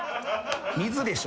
水でしょ